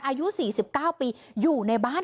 อายุ๔๙ปีอยู่ในบ้าน